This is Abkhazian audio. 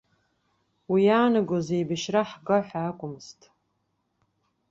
Уи иаанагоз еибашьра ҳга ҳәа акәмызт.